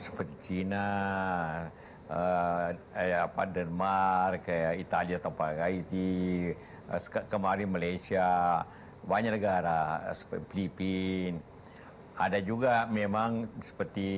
seperti cina denmark italia kemarin malaysia banyak negara seperti filipina ada juga memang seperti